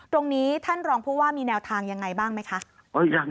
ตรงนี้ท่านรองผู้ว่ามีแนวทางยังไงบ้างไหมคะ